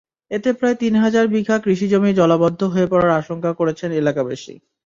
এতে প্রায় তিন হাজার বিঘা কৃষিজমি জলাবদ্ধ হয়ে পড়ার আশঙ্কা করছেন এলাকাবাসী।